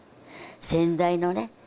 先代のね